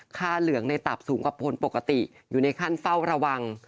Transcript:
เหลืองในตับสูงกว่าคนปกติอยู่ในขั้นเฝ้าระวัง